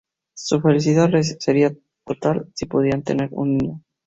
Su felicidad sería total si pudieran tener un niño.